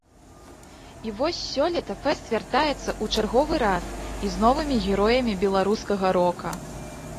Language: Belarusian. І вось сёлета фэст вяртаецца ў чарговы раз і з новымі героямі беларускага рока.